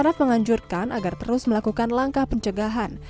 dr saraf menganjurkan agar terus melakukan langkah pencegahan